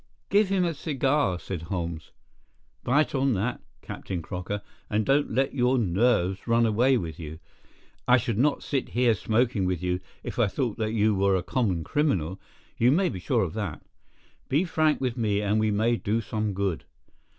"Give him a cigar," said Holmes. "Bite on that, Captain Crocker, and don't let your nerves run away with you. I should not sit here smoking with you if I thought that you were a common criminal, you may be sure of that. Be frank with me and we may do some good.